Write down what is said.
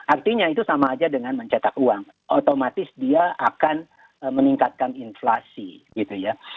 artinya itu sama aja dengan mencetak uang otomatis dia akan meningkatkan inflasi gitu ya